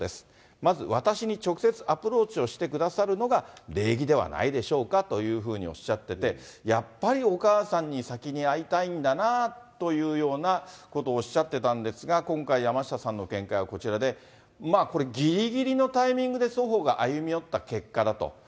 まず私に直接アプローチをしてくださるのが、礼儀ではないでしょうかというふうにおっしゃってて、やっぱりお母さんに先に会いたいんだなというようなことをおっしゃってたんですが、今回、山下さんの見解はこちらで、これ、ぎりぎりのタイミングで双方が歩み寄った結果だと。